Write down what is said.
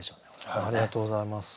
ありがとうございます。